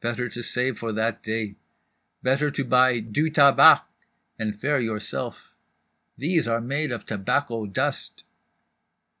Better to save for that day … better to buy du tabac and faire yourself; these are made of tobacco dust."